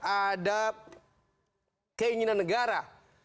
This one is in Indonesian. ada keinginan negara